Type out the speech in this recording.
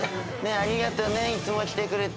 ありがとねいつも来てくれて。